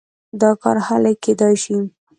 دا کار هله کېدای شي.